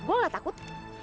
gue nggak takut